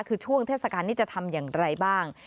คือช่วงเทศกาลนี้จะทำอย่างไรบ้าง